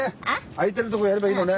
空いてるとこやればいいのね。